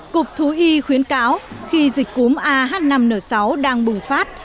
cục thú y khuyến cáo khi dịch cúm ah năm n sáu đang bùng phát